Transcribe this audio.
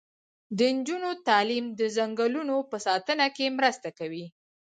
د نجونو تعلیم د ځنګلونو په ساتنه کې مرسته کوي.